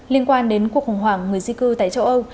liên quan đến cuộc khủng hoảng người di cư tại châu âu